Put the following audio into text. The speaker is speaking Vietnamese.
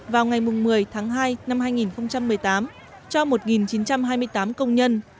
vào ngày một mươi tháng hai năm hai nghìn một mươi tám cho một chín trăm hai mươi tám công nhân